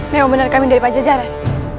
memang benar kami dari pajajaran